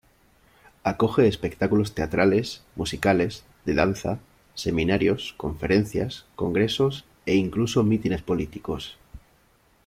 Acoge espectáculos teatrales, musicales, de danza, seminarios, conferencias, congresos e incluso mítines políticos.